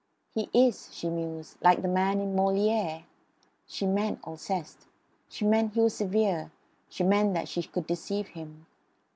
"He is," she mused, "like that man in Moliere." She meant Alceste. She meant that he was severe. She meant that she could deceive him.